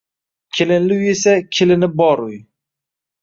Kelinli uy esa kelini bor uy